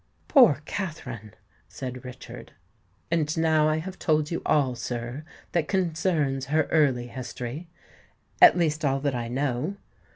"Poor Katherine!" said Richard. "And now I have told you all, sir, that concerns her early history—at least all that I know.